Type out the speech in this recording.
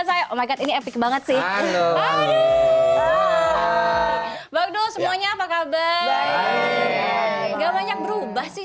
saya oh my god ini epic banget sih halo halo halo semuanya apa kabar gak banyak berubah sih